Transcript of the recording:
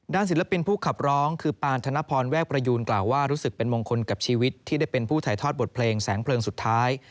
ศิลปินผู้ขับร้องคือปานธนพรแวกประยูนกล่าวว่ารู้สึกเป็นมงคลกับชีวิตที่ได้เป็นผู้ถ่ายทอดบทเพลงแสงเพลิงสุดท้าย